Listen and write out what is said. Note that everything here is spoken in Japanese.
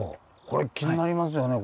これ気になりますよね